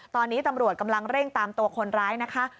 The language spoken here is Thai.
ตอนนี้ตำรวจกำลังเร่งตามตัวคนร้ายนะคะ